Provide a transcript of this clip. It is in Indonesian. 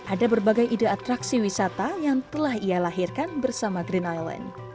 ada berbagai ide atraksi wisata yang telah ia lahirkan bersama green island